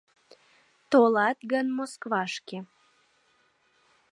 Толат гын Москвашке